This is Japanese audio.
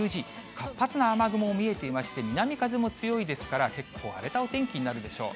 活発な雨雲も見えていまして、南風も強いですから、結構荒れたお天気になるでしょう。